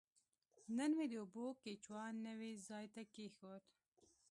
نن مې د اوبو کیچوا نوي ځای ته کیښود.